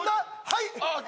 はい！